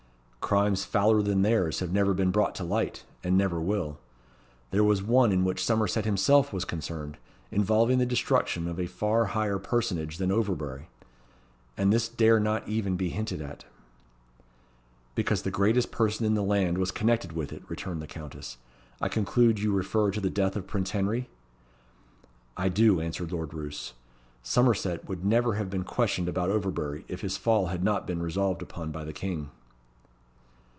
"Crimes fouler than theirs have never been brought to light, and never will. There was one in which Somerset himself was concerned, involving the destruction of a far higher personage than Overbury; and this dare not even be hinted at." "Because the greatest person in the land was connected with it," returned the Countess, "I conclude you refer to the death of Prince Henry?" "I do," answered Lord Roos. "Somerset would never have been questioned about Overbury, if his fall had not been resolved upon by the King."